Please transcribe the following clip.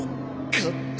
勝った！